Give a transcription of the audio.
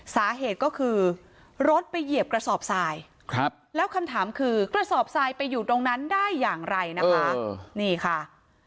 สาเหตุก็คือรถไปเหยียบกระสอบทรายแล้วคำถามคือกระสอบทรายไปอยู่ตรงนั้นได้อย่างไรนะคะนี่ค่ะ